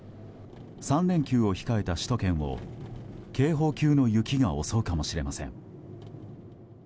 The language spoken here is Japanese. ３連休を控えた首都圏を警報級の雪が襲うかもしれません。